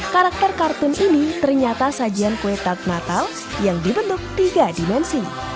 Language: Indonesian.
karakter kartun ini ternyata sajian kue tart natal yang dibentuk tiga dimensi